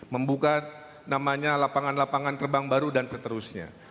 membuka namanya lapangan lapangan terbang baru dan seterusnya